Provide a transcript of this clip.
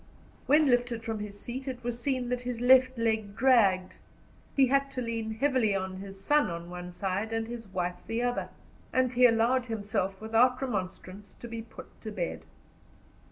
When lifted from his seat it was seen that his left leg dragged. He had to lean heavily on his son on one side and his wife on the other, and he allowed himself, without remonstrance, to be put to bed.